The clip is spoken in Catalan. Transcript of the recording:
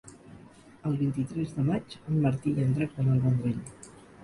El vint-i-tres de maig en Martí i en Drac van al Vendrell.